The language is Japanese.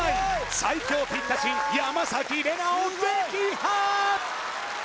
最強ピッタ神山玲奈を撃破！